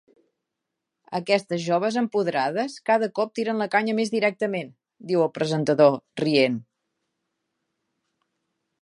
Aquestes joves empoderades cada cop tiren la canya més directament —diu el presentador, rient—.